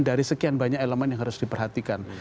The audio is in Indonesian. dari sekian banyak elemen yang harus diperhatikan